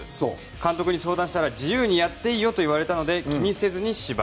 監督に相談したら自由にやっていいよと言われたので気にせずに芝居。